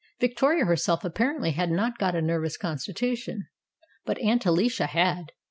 Victoria herself apparently had not got a nervous constitution, but Aunt Alicia had.